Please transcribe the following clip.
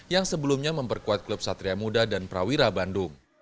yang sebelumnya memperkuat klub satria muda dan prawira bandung